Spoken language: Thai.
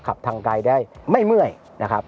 ขับทางไกลได้ไม่เมื่อยนะครับ